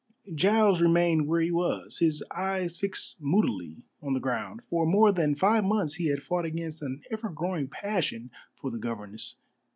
Giles remained where he was, his eyes fixed moodily on the ground. For more than five months he had fought against an ever growing passion for the governess.